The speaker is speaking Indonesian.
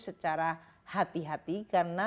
secara hati hati karena